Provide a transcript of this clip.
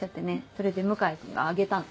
それで向井君があげたの。